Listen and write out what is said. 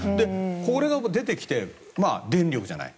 これが出てきて、電力じゃない。